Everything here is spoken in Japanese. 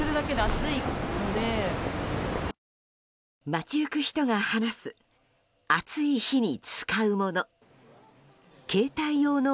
街行く人が話す暑い日に使うもの。